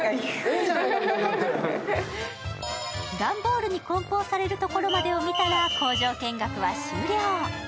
段ボールに梱包されるところまでを見たら見学は終了。